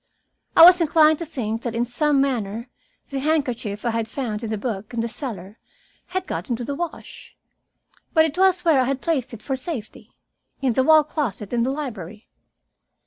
I was inclined to think that in some manner the handkerchief I had found in the book in the cellar had got into the wash. But it was where I had placed it for safety, in the wall closet in the library.